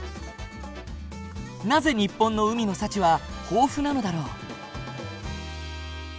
なぜ日本の海の幸は豊富なのだろう？